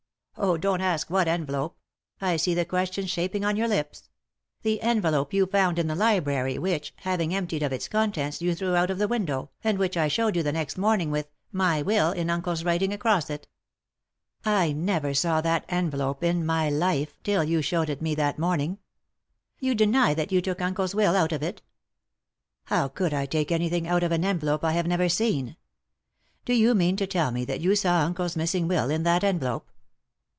— Oh, don't ask what envelope ; I see the question's shaping on your lips— the envelope you found in the library, which, having emptied of its contents, you threw out of the window, and which I showed you the next morning, with 'My Will ' in uncle's writing across it." "I never saw that envelope in my life till you showed it me that morning." "You deny that you took uncle's will out of it?" " How could I take anything out of an envelope I had never seen ? Do you mean to tell me that you saw uncle's missing will in that envelope